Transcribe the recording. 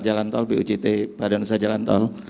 jalan tol bujt badan usaha jalan tol